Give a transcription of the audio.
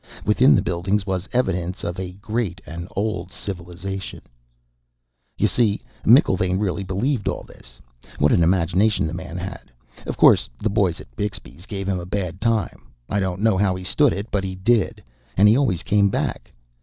Within the buildings was evidence of a great and old civilization.... "You see, McIlvaine really believed all this. What an imagination the man had! Of course, the boys at Bixby's gave him a bad time; I don't know how he stood it, but he did. And he always came back.